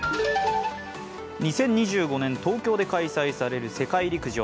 ２０２５年、東京で開催される世界陸上。